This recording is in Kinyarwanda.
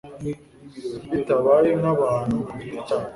bitabaye nkabantu ku giti cyabo.